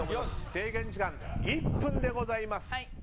制限時間１分でございます。